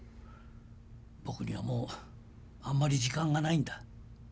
僕にはもうあんまり時間がないんだ。